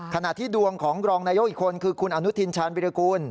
ขณะที่ดวงของรองนายกอีกคนคือคุณอนุทินชาญวิรากูล